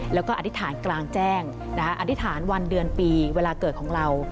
แล้วก็อธิษฐานกลางแจ้งอธิษฐานวันเดือนปีเวลาเกิดของเรา